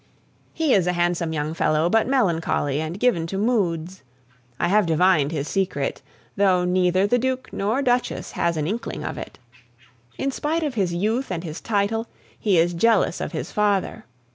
He is a handsome young fellow, but melancholy, and given to moods. I have divined his secret, though neither the Duke nor Duchess has an inkling of it. In spite of his youth and his title, he is jealous of his father.